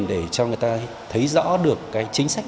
để cho người ta thấy rõ được cái chính sách